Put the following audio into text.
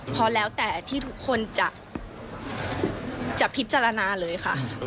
พอแล้วแต่ที่ทุกคนจะพิจารณาเลยค่ะ